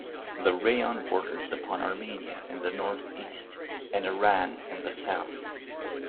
The rayon borders upon Armenia in the North-East, and Iran in the South.